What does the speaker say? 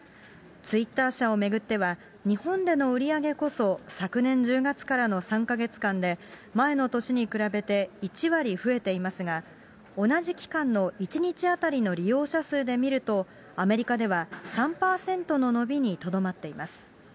ツイッター社を巡っては、日本での売り上げこそ、昨年１０月からの３か月間で前の年に比べて１割増えていますが、同じ期間の１日当たりの利用者数で見ると、アメリカでは３％の伸びにとどまっています。